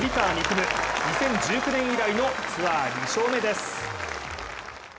夢、２０１９年以来の、ツアー２勝目です。